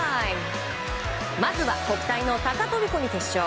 まずは国体の高飛込決勝